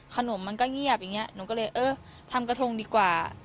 มันก็เงียบอย่างนี้หนูก็เลยเออทำกระทงดีกว่า